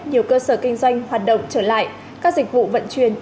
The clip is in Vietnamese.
nhiều cơ sở kinh doanh hoạt động trở lại các dịch vụ vận chuyển